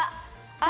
あ！